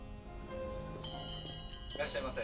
いらっしゃいませ。